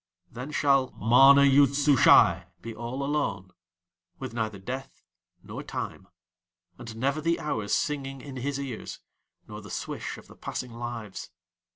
Then shall MANA YOOD SUSHAI be all alone, with neither Death nor Time, and never the hours singing in his ears, nor the swish of the passing lives.